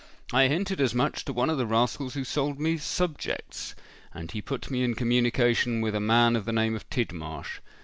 I hinted as much to one of the rascals who sold me subjects; and he put me in communication with a man of the name of Tidmarsh.